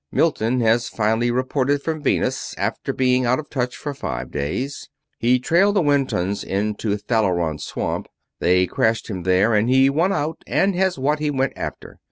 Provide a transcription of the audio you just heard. Milton has finally reported from Venus, after being out of touch for five days. He trailed the Wintons into Thalleron swamp. They crashed him there, and he won out and has what he went after.